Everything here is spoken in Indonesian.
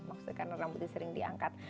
maksudnya karena rambutnya sering diangkat